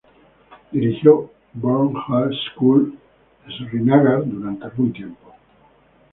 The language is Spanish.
Dirigió Burn Hall School Srinagar durante algún tiempo.